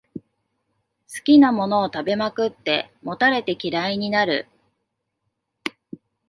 好きなものを食べまくって、もたれて嫌いになる